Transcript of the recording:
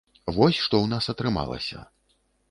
Вось што ў нас атрымалася.